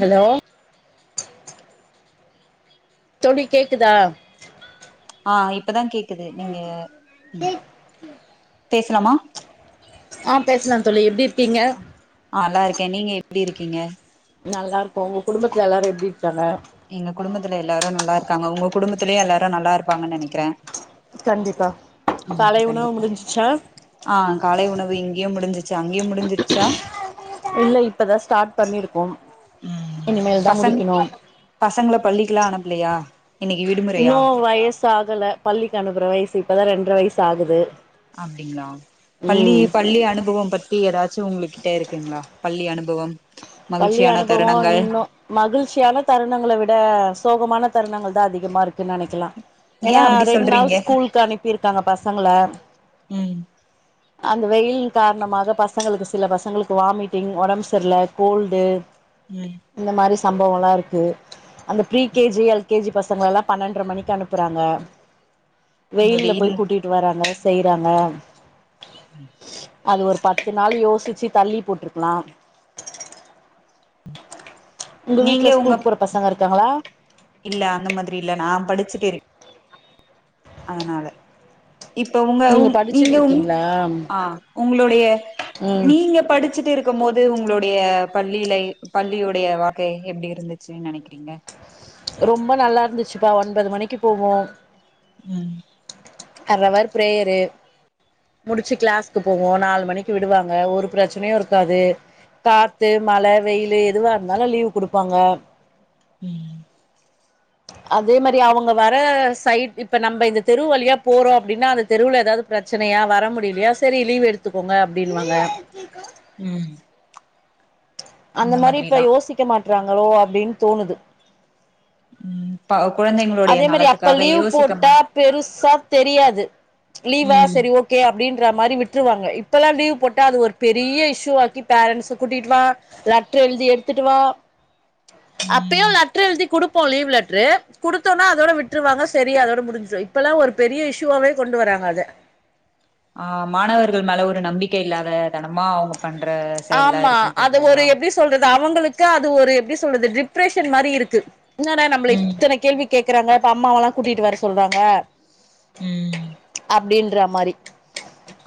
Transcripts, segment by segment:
hello தோழி கேக்குதா ஆ இப்பதா கேக்குது நீங்க பேசலாமா ஆ பேசலா தோழி எப்டி இருக்கிங்க ஆ நல்லா இருக்கே நீங்க எப்டி இருக்கீங்க நல்லா இருக்கோ உங்க குடும்பத்துல எல்லாரு எப்டி இருக்காங்க எங்க குடும்பத்துல எல்லாரு நல்லா இருக்காங்க உங்க குடும்பத்திலயு எல்லாரு நல்லா இருப்பாங்கனு நினைக்கிற கண்டிப்பா காலை உணவு கண்டிப்பா முடிஞ்சிச்சா ஆ காலை உணவு இங்கேயும் முடிஞ்சிச்சு அங்கேயும் முடிஞ்சிச்சா இல்ல இப்பதா ஸ்டார்ட் பண்ணிருக்கோம் இனிமேல தா பசங் முடிக்கணும் பசங்கள பள்ளிக்கெல்லா அணுப்பலையா இன்னும் வயசு ஆகல பள்ளிக்கு அனுப்புற வயசு இப்பதா ரெண்டர வயசு ஆகுது அப்படிங்களா பள்ளி ம் பள்ளி அனுபவம் பத் ஏதாச்சும் உங்ககிட்ட இருக்குங்களா பள்ளி அனுபவம் பள்ளி மகிழ்ச்சியான அனுபவம் தருணங்கள் இன்னோ மகிழ்ச்சியான தருணங்கள விட சோகமான தருணங்கள் தா அதிகமா இருக்குன்னு நினைக்கலாம் ஏ ஏன்னா அப்டி ரெண்டு நாள் சொல்றீங்க ஸ்கூலுக்கு அனுப்பிருக்காங்க பசங்கல ம் அந்த வெயில் காரணமாக பசங்களுக்கு சில பசங்களுக்கு வாமிட்டிங் உடம்பு சரியில்ல கோல்டு ம் இந்த மாதிரி சம்பவம் எல்லாம் இருக்கு அந்த ப்ரீ கேஜி எல் கேஜி பசங்கள எல்லாம் பன்னெண்டுர மணிக்கு அனுப்புறாங்க இந்த வெயில்ல வெயில் போய் கூட்டிட்டு வராங்க செய்யறாங்க ம் அது ஒரு பத்து நாள் யோசிச்சு தள்ளி போட்டருக்கலா உங்க நீங்க வீட்டுல உங்க ஸ்கூல்க்கு போகற பசங்க இருக்காங்களா இல்ல அந்த மாதிரி இல்ல நா படிச்சுட்டு இருக் அதனால இப்ப உங்க உ படிச்சுட்டு நீங்க இருக்கீங்களா ஆ உங்களுடைய ம் நீங்க படிச்சுட்டு இரு க்க போது உங்களுடைய பள்ளியில பள்ளியுடைய வாழ்க்கை எப்படி இருந்துச்சு நினைக்கிறீங்க ரொம்ப நல்லா இருந்துச்சுப்பா ஒன்பது மணிக்கு போவோம் ம் காலல வேற ப்ரேயர்ரு முடிச்சு கிளாஸ்க்கு போவோ நாலு மணிக்கு விடுவாங்க ஒரு பிரச்சனையும் இருக்காது காத்து மழ வெயில் எதுவா இருந்தாலும் லீவு கொடுப்பாங்க ம் அதே மாதிரி அவங்க வர சைட் இப்ப நம்ம இந்த தெருவலியா போறோ அப்டின்னா அந்த தெருவுல ஏதாவது ப்ரச்சனையா வர முடியலையா செரி லீவ் எடுத்துக்கோங்க அப்டின்னுுவாங்க ம் அந்த மாரி இப்ப யோசிக்க மாட்டறாங்களோ அப்டின்னு தோணுது ம் கொழந்தைங்களுடைய அதே மாரி அப்ப நலத்துக்காக லீவ் யோசிக்க போட்டா மாட் பெருசா தெரியாது லீவா ம் செரி ஓக் கே அப்டின்ற மாரி விட்டுருவாங்க இப்பெல்லா லீவ் போட்டா அது ஒரு பெரிய இஷூவாக்கி பேரண்ட்ஸ கூட்டிட்டு வா லெட்டர் எழுதி எடுத்துட்டு வா அப்பயு ம் லெட்டர் எழுதி குடுப்போ லீவ் லெட்ரு குடுத்தோன்னா அதோட விட்டுருவாங்க செரி அதோட முடிஞ்சிடு இப்பெல்லா ஒரு பெரிய இஷூவாவே கொண்டு வராங்க அத ஆ மாணவர்கள் மேல ஒரு நம்பிக்கை இல்லாத தனமா அவங்க பண்ற செயல்லா ஆமா அது இருக்குன்றீங்களா ஒரு எப்டி சொல்றது அவங்களுக்கு அது ஒரு எப்டி சொல்றது டிப்ரஷன் மாரி இருக்கு என்னடா நம்மள ம் இத்தன கேள்வி கேக்குறாங்க இப்ப அம்மாவலா கூட்டிட்டு வர சொல்றாங்க ம் அப்டின்ற மாரி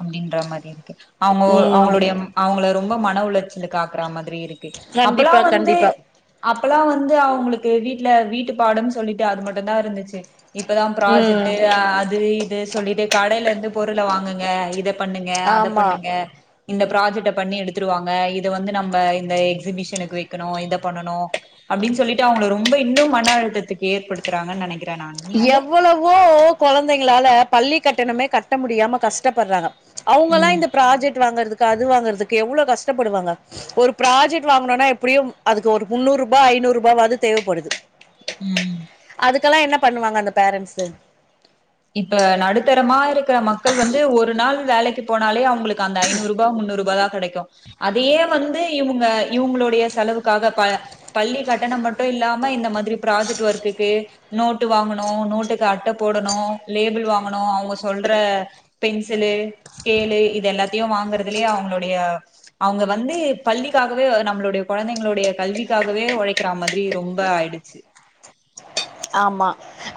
அப்டின்ற மாரி இருக்கு அவங்க ம் அவங்களுடைய அவங்கள ரொம்ப மன உளைச்சலுக்கு ஆக்குற மாரி இருக்கு அப்பெல்லா கண்டிப்பா வந்து கண்டிப்பா அப்பல்லா வந்து அவங்களுக்கு வீட்ல வீட்டு பாடும்ன்னு சொல்லிட்டு அது மட்டுதா இருந்துச்சு இப்பதா ம் ப்ராஜெக்ட் அது இது சொல்லிட்டு கடையில இருந்து பொருள வாங்குங்க இத பண்ணுங்க அத ஆமா பண்ணுங்க இந்த ப்ராஜெக்ட பண்ணி எடுத்துட்டு வாங்க இத வந்து நம்ம இந்த எக்ஸிபிஷனுக்கு வைக்கணு இத பண்ணணு அப்டின்னு சொல்லிட்டு அவங்கள ரொம்ப இன்னும் மன அழுத்தத்துக்கு ஏற்படுத்துறாங்கன்னு நெனைக் எவ்வளவோ கொழந்தைங்களால பள்ளி கட்டணமே கட்ட முடியாம கஷ்டப்பட்றாங்க அவங்க எல்லா ம் இந்த ப்ராஜெக்ட் வாங்கறதுக்கு அது வாங்குறதுக்கு எவ்ளோ கஷ்டப்படுவாங்க ஒரு ப்ராஜெக்ட் வாங்கனும்னா எப்டியோ‌ அதுக்கு ஒரு முன்னூறு ரூபா ஐநூறு ரூபாயாவது தேவப்படுது ம் அதுக்கெல்லா என்ன பண்ணுவாங்க அந்த பேரண்ட்ஸ் இப்ப நடுத்தரமா இருக்குற மக்கள் வந்து ஒரு நாள் வேலைக்கு போனாலே அவுங் அவுங்களுக்கு அந்த ஐநூறு ரூபா முன்னூறு ரூபா தா கெடைக்கு அதையே வந்து இவங்க இவங்களுடைய செலவுக்காக ப பள்ளி கட்டணம் மட்டு இல்லாம இந்த மாதிரி ப்ராஜெக்ட் ஒர்க்குக்கு நோட்டு வாங்கணு நோட்டுக்கு அட்ட போடணு லேபிள் வாங்கணு அவங்க சொல்ற பென்சிலு ஸ்கேலு இது எல்லாத்தையு வாங்குறதுலயே அவங்களுடைய அவங்க வந்து பள்ளிக்காகவே நம்ளுடைய கொழந்தைங்களுடைய கல்விக்காகவே உழைக்கிற மாதிரி ரொம்ப ஆயிடுச்சு ஆம்மா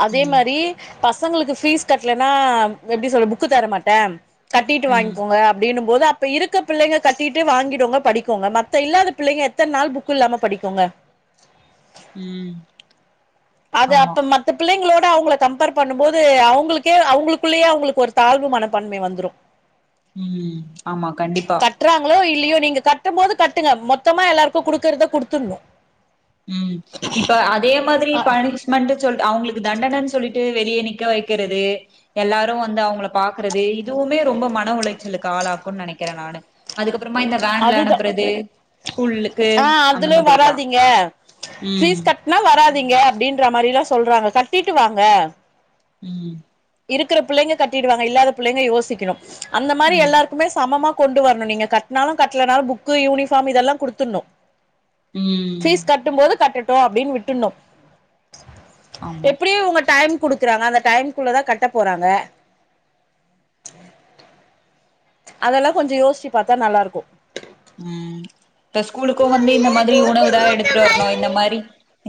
அதே ம் மாறி பசங்களுக்கு ஃபீஸ் கட்டலன்னா எப்டி சொல்ற புக்கு தர மாட்டே கட்டிட்டு ம் வாங்கிக்கோங்க அப்படின்னு போது இப்ப இருக்க பிள்ளைங்க கட்டிட்டு வாங்கிடுங்க படிக்கோங்க மத்த இல்லாத புள்ளைங்க எத்த நாள் புக்கு இல்லாம படிக்கோங்க ம் அது ஆமா அப்ப மட் மத்த பிள்ளைங்களோட அவங்கள கம்பேர் பண்ணும்போது அவங்களுக்கே அவங்களுக்குள்ளேயே அவங்களுக்கு ஒரு தாழ்வு மனப்பான்மை வந்துடு [inaudible] ம் ஆமா கண்டிப்பா கட்றாங்களோ இல்லையோ நீங்க கட்டு போது கட்டுங்க மொத்தமா எல்லாருக்கு குடுக்கறத குடுத்துடணு ம் இப்ப அதே மாதிரி பையனுக்கு மட்டு சொல் அவங்களுக்கு தண்டனைன்னு சொல்லிட்டு வெளிய நிக்க வைக்கிறது எல்லாரு வந்து அவங்கள பாக்குறது இதுவுமே ரொம்ப மன உளைச்சலுக்கு ஆளாக்குன்னு நெனைக்கிறே நானு அதுக்கப்பறமா இந்த வேன்ல அதுதா அனுப்பறது ஸ்கூல்லுக்கு ஆ அந்த அதுல மாதிரில்லா வராதீங்க ஃபீஸ் கட்னா வராதீங்க அப்டின்றா மாரில்லா சொல்றாங்க கட்டிட்டு வாங்க ம் இருக்கிற பிள்ளைங்க கட்டிடுவாங்க இல்லாத பிள்ளைங்க யோசிக்கிணு அந்த மாரி ம் எல்லாரு குமே சமமா கொண்டு வர்ணு நீங்க கட்னாலு கட்லனாலு ஃபுக்கு யூனிஃபார்ம் இதல்லா குடுத்துற்ணு ம் ஃபீஸ் கட்டம்போது கட்டட்டு அப்டின் விட்டுன்னு ஆமா எப்புடி உங்க டைம் குடுக்குறாங்க அந்த டைம்குள்ள தா கட்டப்போறாங்க அதல்லா கொஞ்ச யோஸ்ச்சி பாத்தா நல்லாருக்கு ம் இப்ப ஸ்கூலுக்கு வந்து இந்த மாத்ரி உணவு தா எடுத்துரு வர்ணு இந்த மாரி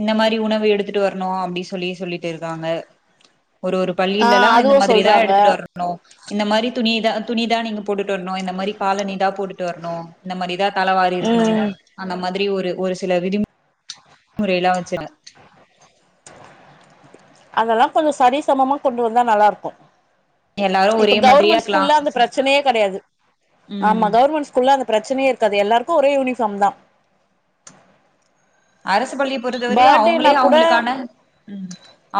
இந்த மாரி உணவு எடுத்துட்டு வர்ணு அப்டி சொல்லி சொல்லிட்டு இருக்காங்க ஒரு ஒரு ஆ பள்ளிலலா இந்த அதுவும் மாத்ரிதா சொல்றாங்க எடுத்துட்டு வர் னு இந்த மாரி துணித துணிதா நீங்க போட்டுட் வர்ணு இந்த மாரி காலணி தா போட்டுட் வர்ணு இந்த மாரிதா தலைவாரிருக்ணு ம் அந்த மாரி ஒரு ஒரு சில விதிம் முறைலா வச்சின ஆஹ் அதல்லா கொஞ்ச சரி சமமா கொண்டு வந்தா நல்லாருக்கு எல்லாரு இப்ப ஒரே மாதிரியா கவுர்மண்ட் இருக்கலா ஸ்கூல்ல அந்த பிரச்சனையே கடையாது ஆமா ம் கவுர்மண்ட் ஸ் கூல்ல அந்த பிரச்சனயே இருக்காது எல்லாருக்கு ஒரே யூனிஃபாம் தா அரசு பள்ளி பொறுத்தவரையு அவுங்ளே பர்த்டேனா கூட அவுங்களுக்கான ம்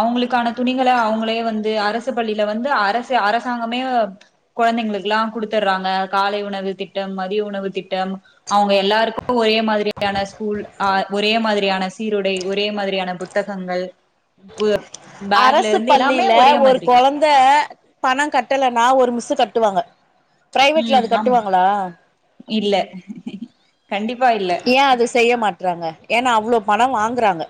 அவுங்ளுக்கான துணிகள அவுங்ளே வந்து அரசு பள்ளில வந்து அரசு அரசாங்கமே கொழந்தைங்களுக்லா குடுத்தற்றாங்க காலை உணவு திட்டம் மதிய உணவு திட்டம் அவுங்க எல்லாருக்கு ஒரே மாதுரியான ஸ்கூல் அ ஒரே மாதுரியான சீருடை ஒரே மாதுரியான புத்தகங்கள் பு பேக்ல அரசு இருந்து எல்லாமே பள்ளில ஒரே ஒரு மாதிரி கொழந்த பண கட்டலனா ஒரு மிஸ்ஸு கட்டுவாங்க பிரைவேட்ல ம் அது ஆமா கட்டுவாங்களா இல்ல கண்டிப்பா இல்ல ஏ அது செய்ய மாட்றாங்க ஏன்னா அவ்ளோ பண வாங்குறாங்க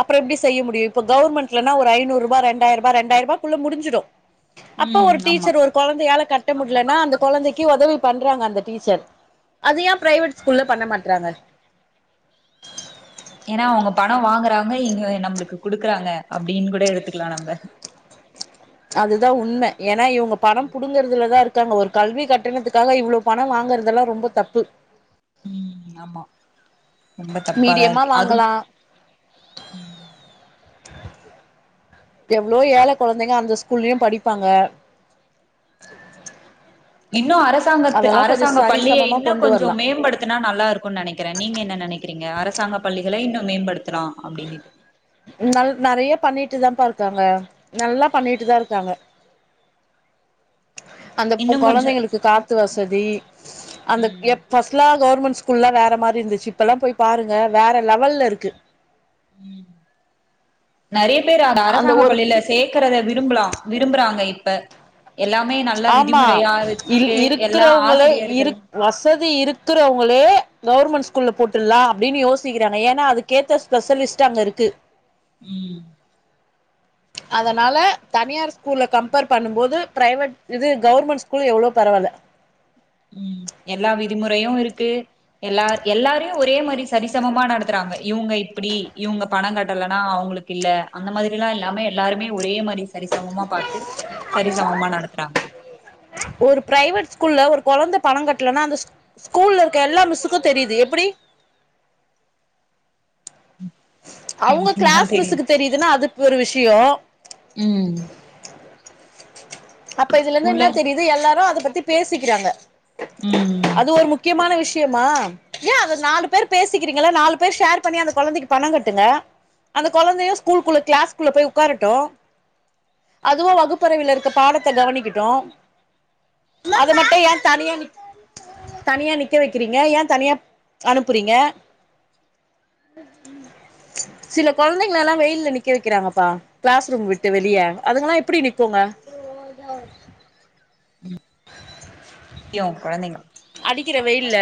அப்புற எப்டி செய்ய முடியு இப்ப கவுர்மண்ட்லனா ஒரு ஐநூறுபா ரெண்டாயர்பா இரண்டாயர்பா குள்ள முடிஞ்சிடு அப்ப ம் ஒரு ஆமா டீச்சர் ஒரு கொழந்தையால கட்ட முட்லனா அந்த கொழந்தக்கி ஒதவி பண்றாங்க அந்த டீச்சர் அது ஏ பிரைவேட் ஸ்கூல்ல பண்ண மாட்றாங்க ஏனா அவங்க பண வாங்குறாங்க இங்க நம்ளுக்கு குடுக்குறாங்க அப்டின் கூட எடுத்துக்லா நம்ப அதுதா உண்ம ஏன்னா இவுங்க பண புடுங்கற்துலதா இர்க்காங்க ஒரு கல்வி கட்டணத்துக்காக இவ்ளோ பண வாங்கற்துல்லா ரொம்ப தப்பு ம் ஆமா ரொம்ப மீடியமா தப்பாதாருக்கு அது வாங்கலா ம் எவ்ளோ ஏழ கொழந்தைங்க அந்த ஸ்கூல்லியு படிப்பாங்க இன்னு அரசாங்கத்து அதெல்லா கொஞ்சோ அரசாங்க பள்ளிய சரிசமமா இன்ன கொண்டு கொஞ்சோ வரலா மேம்படுத் துனா நல்லாருக்கு நெனக்கிற நீங்க என்ன நெனக்கிறீங்க அரசாங்க பள்ளிகள இன்னு மேம்படுத்துலா அப்டின்னிட்டு இந்தாலு நறைய பண்ணிட்டு தாம்ப்பா இர்க்காங்க நல்லா பண்ணிட்டு தா இர்க்காங்க அந்தப்பு இன்னு கொ கொஞ்சோ ழந்தைங்களுக்கு காத்து வசதி அந்தக் ம் எப் ஃபஸ்ட்லா கவுர்மண்ட் ஸ்கூல்லா வேற மாரி இர்ந்துச்சு இப்பலா போய் பாருங்கள் வேறு லெவல்ல இருக்கு ம் நறிய பேர் அத அந்த அரசாங்க ஒரு பள்ளில சேக்கறத விரும்புலா விரும்புறாங்க இப்ப எல்லாமே நல்லா ஆமா விதிமுறையா இல் வெச்சுட்டே எல்லா இருக்கிறவங்களே ஆசிரியர்கள் இருக் வசதி இருக்குறவுங்களே கவுர்மண்ட் ஸ்கூல்ல போட்டுல்லா அப்டின் யோசிக்கிறாங்க ஏன்னா அதுக் கேத்த ஸ்பெஷலிஸ்ட்டு அங்க இருக்கு ம் அதனால தனியார் ஸ்கூல்ல கம்பேர் பண்ணும் போது பிரைவேட் இது கவர்மெண்ட் ஸ்கூல் எவ்ளோ பரவால்ல ம் எல்லா விதிமுறையு இருக்கு எல்லார் எல்லாரையும் ஒரே மாரி சரி சமமா நடத்துறாங்க இவுங்க இப்பிடி இவுங்க பணம் கட்டலனா அவங்குளுக் இல்ல அந்த மாதிரில்லா இல்லாம எல்லாருமே ஒரே மாரி சரிசமமா பாத்து சரிசமமா நடத்துறாங்க ஒரு பிரைவேட் ஸ்கூல்ல ஒரு கொழந்த பண கட்டலன்னா அந்த ஸ்கூல்ல இருக்க எல்லா மிஸ்ஸுக்கு தெரியிது எப்பிடி அவுங்க எப்டின்தா கிளாஸ் தெரில மிஸ்ஸுக்கு தெரியுதுன்னா அது ஒரு விஷியோ ம் அப்ப இதுல இருந்து உள்ள இன்ன தெரியுது எல்லாரு அத பத்தி பேசிக்கிறாங்க ம் அது ஒரு முக்கியமான விஷயமா ஏன் அத நாலு பேர் பேசிக்கிறீங்கள நாலு பேர் ஷேர் பண்ணி அந்த கொழந்தைக்கு பணம் கட்டுங்க அந்த கொழந்தையும் ஸ்கூல்க்குள்ள கிளாஸ்க்குள்ள போய் உக்காரட்டும் அதுவோ வகுப்பறயில இருக்க பாடத்த கவனிக்கட்டு அத மட்டு ஏன் தனியா நிக் தனியா நிக்க வெக்கிறீங்க ஏன் தனியா அனுப்புறீங்க சில கொழந்தைங்ள எல்லா வெயில்ல நிக்க வெக்கிறாங்கப்பா கிளாஸ் ரூம் விட்டு வெளிய அதுங்கல்லா எப்படி நிக்கோங்க ஆ ம் யா கொழந்தைங்க அடிக்கிற வெயில்ல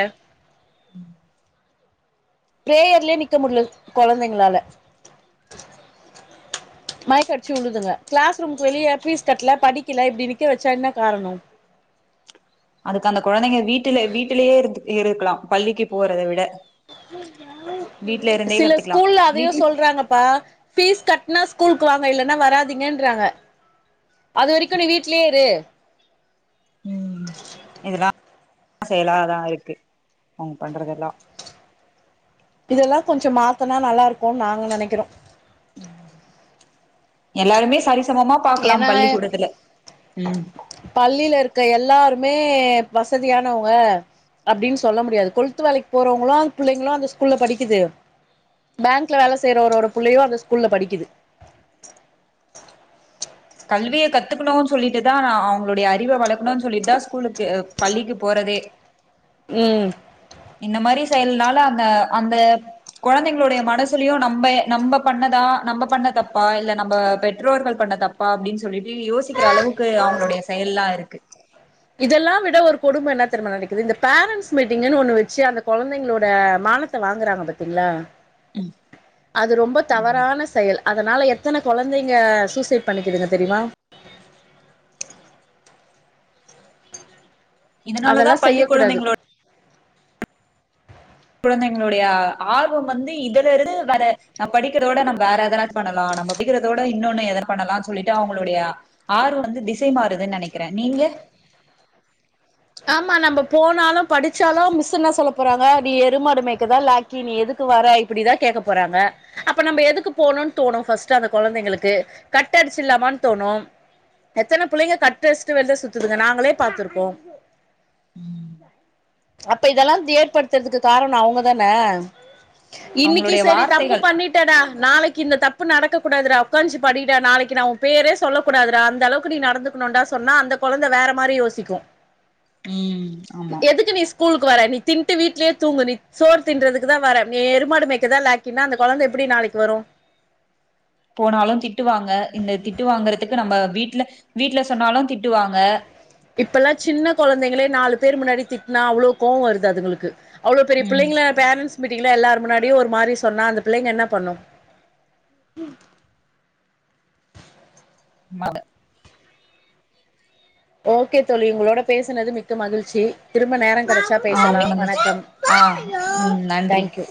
ம் பிரேயர்லயே நிக்க முடில்ல கொழந்தைங்ளால மயக்கடிச்சி உழுதுங்க கிளாஸ் ரூம்க்கு வெளிய ஃபீஸ் கட்ல படிக்கல இப்டி நிக்க வெச்சா என்ன காரணம் அதுக்கு அந்த கொழந்தைங்க வீட்டுல வீட்டுலயே இருந்துக் இருக்லாம் பள்ளிக்கு போறத விட வீட்ல இருந்தே சில கத்துக்கலா ஸ்கூல்ல அதயு வீட்ல சொல்றாங்கப்பா ஃபீஸ் கட்னா ஸ்கூல்க்கு வாங்க இல்லன்னா வராதீங்கன்றாங்க அது வரைக்கும் நீ வீட்லே இரு ம் இதுல்லா [inaudible] செயலாதா இருக்கு அவங் பண்றதெல்லா இதெல்லா கொஞ்சம் மாத்துனா நல்லாருக்கும் நாங்க நெனைக்கிறோ எல்லாருமே சரிசமமா பாக்கலாம் ஏன்னா பள்ளிக்கூடத்துல ம் பள்ளியில இருக்க எல்லாருமே வசதியானவங்க அப்டின் சொல்ல முடியாது கொள்த்து வேலைக் போறவங்களும் பிள்ளைங்களும் அந்த ஸ்கூல்ல படிக்குது பேங்க்லா வேல செய்றவரோட புள்ளையும் அந்த ஸ்கூல்ல படிக்குது கல்விய கத்துக்கணும் சொல்லிட்டு தா நா அவங்களுடைய அறிவ வளக்கணும் சொல்லிட்டு தா ஸ்கூலுக்கு அ பள்ளிக்கு போறதே ம் இந்த மாரி செயல்னால அந்த அந்த கொழந்தைங்ளுடைய மனசுலையும் நம்ப நம்ப பண்ணதா நம்ப பண்ண தப்பா இல்ல நம்ப பெற்றோர்கள் பண்ண தப் ப்பா அப்டின் சொல்லிட்டு யோசிக்கிற அளவுக்கு அவுங்குடைய செயல்லா இருக்கு இதெல்லா விட ஒரு கொடும இன்னா தெரிமா நடக்குது இந்த பேரன்ட்ஸ் மீட்டிங்குன்னு ஒண்ணு வெச்சு அந்த கொழந்தைங்ளோட மானத் த்த வாங்குறாங்க பத்தீங்ளா ம் அது ரொம்ப தவறான செயல் அதனால எத்தன கொழந்தைங்க சூசைடு பண்ணிக்குதுங்க தெரியுமா இதனாலதா அதெல்லா செய்ய பள்ளி கூடாது குழந்தைங்களோட குழந்தைங்களுடைய ஆ ஆர்வம் வந்து இதுல இருந்து வற நம் படிக்கிறதவிட நம்ம வேற எதனாச்சி பண்ணலா நம்ம பிகறதோட இன்னொன்னு எத பண்ணலான்னு சொல்லிட்டு அவங்களுடைய ஆ ஆறு வந்து திசை மாறுதுன்னு நனைக்கிற நீங்க ஆமா நம்ம போனாலு படிச்சாலு மிஸ் என்ன சொல்ல போறாங்க நீ எருமாடு மேய்க்கதா லாக் கி நீ எதுக்கு வர இப்டிதா கேக்க போறாங்க அப்ப நம்ம எதுக்கு போணுன்னு தோணு ஃபர்ஸ்ட் அந்த கொழந்தைங்களுக்கு கட் அடிச்சிலாமானு தோணு எத்தன புள்ளங்க கட்டடிச்சிட்டு வெளில சுத்துதுங்க நாங்களே பாத்துருக்கோ அப்ப இதெல்லா ஏற்படுத்துறதுக்கு காரணோ அவங்க தான இன்னைக்கி அவங்களுடைய சேரி தப்பு வார்த்தைகள் பண்ணி டா நாளைக்கு இந்த தப்பு நடக்கூடாது உக்காஞ்சி படி டா நாளைக்கு உ பேரே சொல்லக் கூடாது அந்த அளவுக்கு நீ நடந்து கொண்டா சொன்னா அந்த கொழந்த வேற மாரி யோசிக்கு ம் ஆமா எதுக்கு நீஸ் ஸ்கூலுக்கு வரே நீ தின்ட்டு வீட்லயே தூங்கு நீ சோர் தின்னறதுக்கு தா வர நீ எருமாடு மேய்க்க தா லாய்க் கினா அந்த கொழந்த எப்டி நாளைக்கு வரும் போனாலு திட்டுவாங்க இந்த திட்டுவாங்கறதுக்கு நம்ம வீட்ல வீட்ல சொன்னாலு திட்டுவாங்க இப்பெல்லா சின்ன குழந்தைங்களே நாலு பேர் முன்னாடி திட்டினா அவ்வளவு கோவோ வருது அதுங்களுக்கு அவ்ளோ பெரிய ம் பிள்ளங்கள பேரண்ட்ஸ் மீட்டீங்ள எல்லாரு முன்னாடியு ஒரு மாதிரி சொன்னா அந்த பிள்ளங்க என்ன பண்ணு மாக ஓகே தோழி உங்களோட பேசுனது மிக்க மகிழ்ச்சி திரும்ப நேரோ கெடச்சா ஆ பேசலா தங்கச்சி வணக்கம் ஆ ம் நன்றி தேங்க்யூ